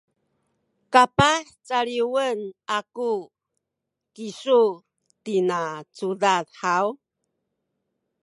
kapah caliwen aku kisu tina cudad haw?